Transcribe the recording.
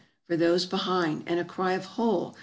for those behind, and a cry of " Hole